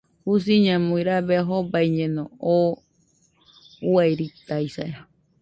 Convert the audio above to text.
Jusiñamui rabe jobaiñeno, oo uairitaisa